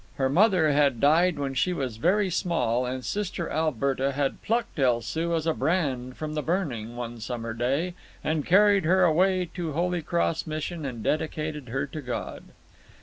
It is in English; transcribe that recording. Her mother had died when she was very small, and Sister Alberta had plucked El Soo as a brand from the burning, one summer day, and carried her away to Holy Cross Mission and dedicated her to God.